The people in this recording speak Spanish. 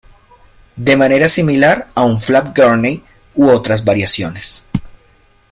De manera similar a un flap Gurney u otras variaciones.